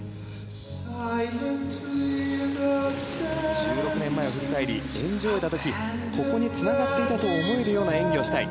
１６年前を振り返り演じ終えた時ここにつながっていたと思えるような演技をしたい。